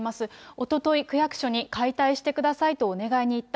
おととい、区役所に解体してくださいとお願いに行った。